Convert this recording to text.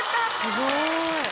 すごい。